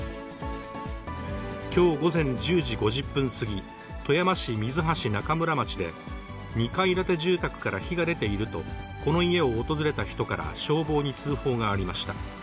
きょう午前１０時５０分過ぎ、富山市水橋中村町で、２階建て住宅から火が出ていると、この家を訪れた人から消防に通報がありました。